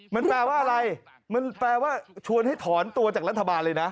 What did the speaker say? มันแปลว่าอะไรมันแปลว่าชวนให้ถอนตัวจากรัฐบาลเลยนะ